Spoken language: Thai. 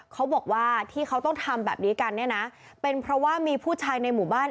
เขาบอกว่าที่เขาต้องทำแบบนี้กันเนี่ยนะเป็นเพราะว่ามีผู้ชายในหมู่บ้าน